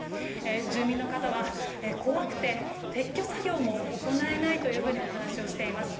住民の方は怖くて撤去作業も行えないというふうにお話をしています。